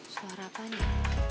suara apaan ya